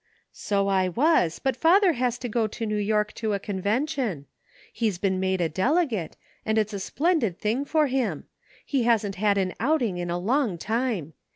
" So I was, but father has to go to New York to a convention. He's been made a delegate, and it's a splendid thing for him. He hasn't had on outing in a long time.